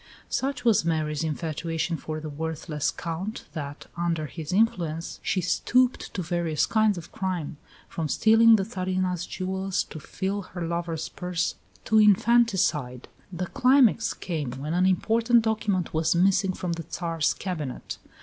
Such was Mary's infatuation for the worthless Count that, under his influence, she stooped to various kinds of crime, from stealing the Tsarina's jewels to fill her lover's purse, to infanticide. The climax came when an important document was missing from the Tsar's cabinet.